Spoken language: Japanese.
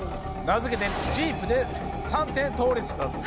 名付けてジープで三点倒立だぜ。